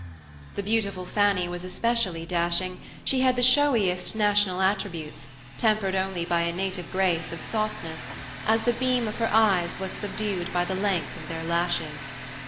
The beautiful Fanny was especially dashing; she had the showiest national attributes, tempered only by a native grace of softness, as the beam of her eyes was subdued by the length of their lashes.